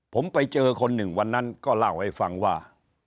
ผมไปเจอคนหนึ่งวันนั้นก็เล่าให้ฟังว่า